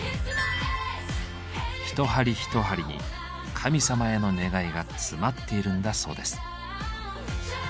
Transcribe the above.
一針一針に神様への願いが詰まっているんだそうです。